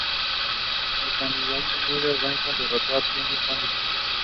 El canadiense Milos Raonic derrotó a Philipp Kohlschreiber.